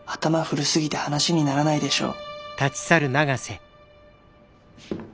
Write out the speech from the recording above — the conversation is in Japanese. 古すぎて話にならないでしょ。